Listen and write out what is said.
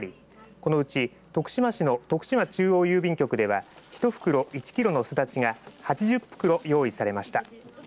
このうち徳島市の徳島中央郵便局では１袋１キロのスダチが８０袋用意されました。